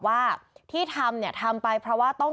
ถ้าหนูทำแบบนั้นพ่อจะไม่มีรับบายเจ้าให้หนูได้เอง